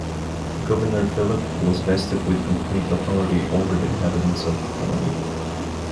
Governor Phillip was vested with complete authority over the inhabitants of the colony.